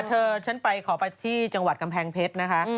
เธอฉันไปขอไปที่จังหวัดกำแพงเพชรนะคะ